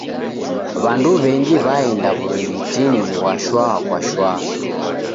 W'andu w'engi w'aenda w'urighitinyi ghwa shwa kwa shwa.